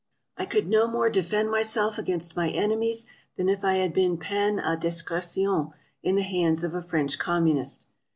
I could no more defend myself against my enemies than if I had been pain a discretion in the hands of a French com munist.